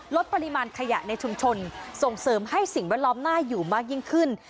ลดปริมาณขยะในชุมชนส่งเสริมให้สิ่งแวดล้อมน่าอยู่มากยิ่งขึ้น